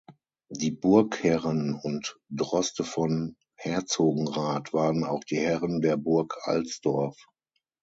Die Burgherren und Droste von Herzogenrath waren auch die Herren der Burg Alsdorf.